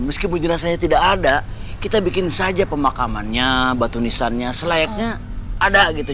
meskipun jenazahnya tidak ada kita bikin saja pemakamannya batu nisannya selayaknya ada gitu